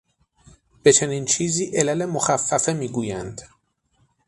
به چنین چیزی، علل مخفّفه میگویند